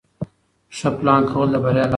ښه پلان کول د بریا لار ده.